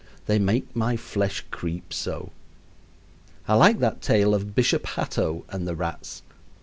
They make my flesh creep so. I like that tale of Bishop Hatto and the rats.